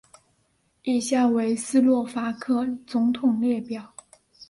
以下为斯洛伐克总统列表。